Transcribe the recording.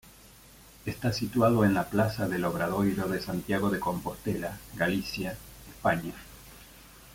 Está situado en la plaza del Obradoiro de Santiago de Compostela, Galicia, España.